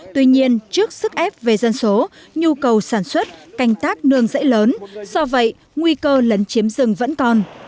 tuy nhiên trước sức ép về dân số nhu cầu sản xuất canh tác nương rẫy lớn do vậy nguy cơ lấn chiếm rừng vẫn còn